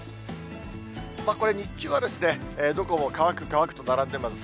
これ、日中はどこも乾く、乾くと並んでます。